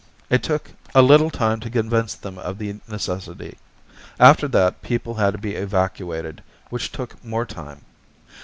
It took a little time to convince them of the necessity. After that, people had to be evacuated, which took more time.